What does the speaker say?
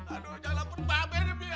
aduh jangan laper babes mi